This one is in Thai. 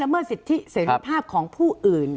เป็นภาพของผู้อื่น